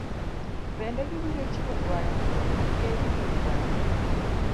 Bende gibiro chiwo kwayo mondo oked gi mibadhi